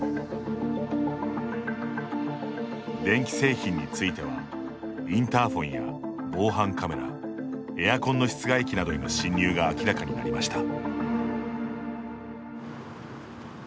電気製品についてはインターホンや防犯カメラエアコンの室外機などへの侵入が明らかになりました。